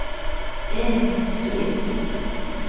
ええ、好きです。